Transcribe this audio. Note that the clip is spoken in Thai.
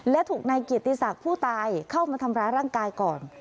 และถูกนายเกียรติศักดิ์ผู้ตายเข้ามาทำร้ายร่างกายก่อน